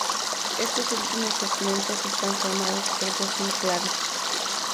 Estos últimos segmentos están formados por dos enclaves.